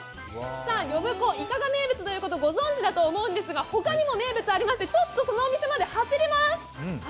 呼子、イカが名物だということはご存じだと思いますが、他にも名物がありまして、そのお店まで走ります。